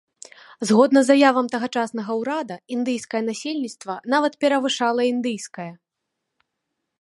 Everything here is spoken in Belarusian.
Згодна заявам тагачаснага ўрада, індыйскае насельніцтва нават перавышала індыйскае.